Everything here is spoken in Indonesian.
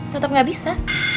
tetep gak bisa